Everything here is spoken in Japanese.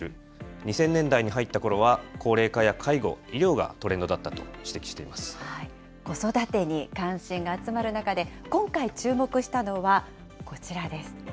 ２０００年代に入ったころは高齢化や介護、医療がトレンドだった子育てに関心が集まる中で今回、注目したのはこちらです。